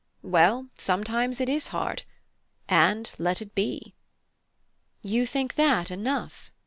Well, sometimes it is hard and let it be." "You think that enough?"